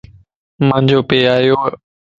مانجو پي آيو ا